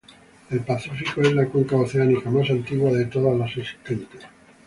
El Pacífico es la cuenca oceánica más antigua de todas las existentes.